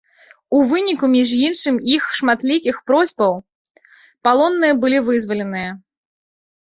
У выніку між іншым іх шматлікіх просьбаў, палонныя былі вызваленыя.